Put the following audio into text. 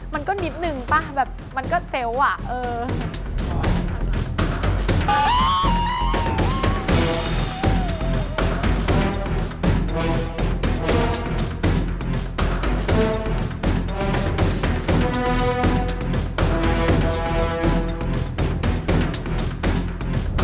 มันก็นิดนึงป่ะแบบมันก็เซลล์อ่ะเออ